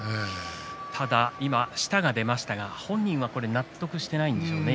ただ舌が出ましたが本人は納得していないでしょうね。